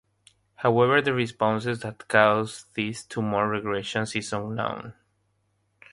However, the responses that cause these tumour regressions is unknown.